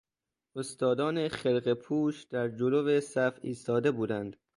استادان خرقه پوش در جلو صف ایستاده بودند.